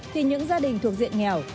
thì những gia đình thuộc diện nghèo